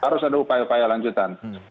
harus ada upaya upaya lanjutan